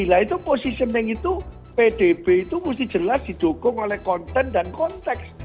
nah itu positioning itu pdb itu mesti jelas didukung oleh konten dan konteks